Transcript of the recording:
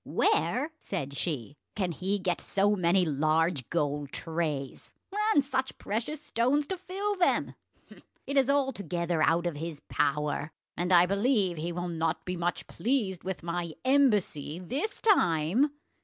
"Where," said she, "can he get so many large gold trays, and such precious stones to fill them? It is altogether out of his power, and I believe he will not be much pleased with my embassy this time."